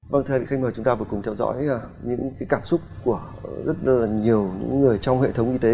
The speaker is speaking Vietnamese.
vâng thưa quý vị khách mời chúng ta vừa cùng theo dõi những cảm xúc của rất nhiều người trong hệ thống y tế